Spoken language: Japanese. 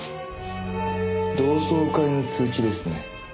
同窓会の通知ですね。